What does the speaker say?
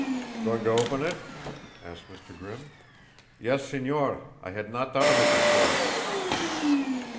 "Going to open it?" asked Mr. Grimm. "Yes, Señor. I had not thought of it before."